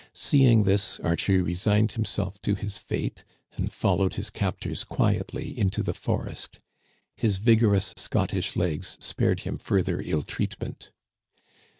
See ing this, Archie resigned himself to his fate, and followed his captors quietly into the forest. His vigorous Scottish legs spared him further ill treatment.